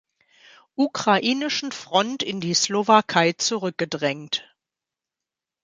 Ukrainischen Front in die Slowakei zurückgedrängt.